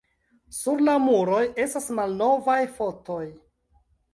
Sur la muroj estas malnovaj fotoj.